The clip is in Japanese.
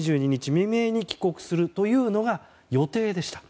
未明に帰国するというのが予定でした。